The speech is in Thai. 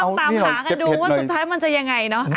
เออ้าวต้องตามหากันดูว่าสุดท้ายมันจะยังไงเนอะ